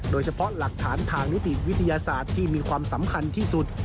โดยเฉพาะหลักฐานทางนิติวิทยาศาสตร์ที่มีความสำคัญที่สุด